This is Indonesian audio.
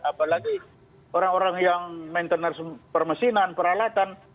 apalagi orang orang yang maintenance permesinan peralatan